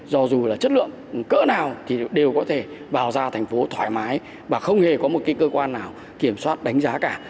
do dù là chất lượng cỡ nào thì đều có thể vào ra thành phố thoải mái và không hề có một cái cơ quan nào kiểm soát đánh giá cả